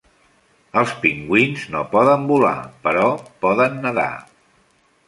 Els pingüins no poden volar, però poden nadar